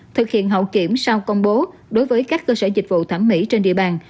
thực hiện hậu kiểm sau công bố đối với các cơ sở dịch vụ thẩm mỹ trên địa bàn